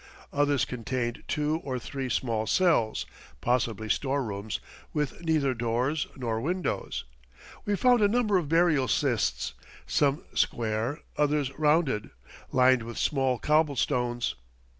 Others contained two or three small cells, possibly storerooms, with neither doors nor windows. We found a number of burial cists some square, others rounded lined with small cobblestones.